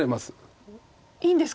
いいんですか？